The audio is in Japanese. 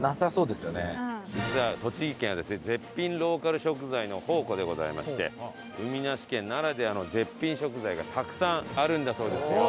実は栃木県はですね絶品ローカル食材の宝庫でございまして海なし県ならではの絶品食材がたくさんあるんだそうですよ。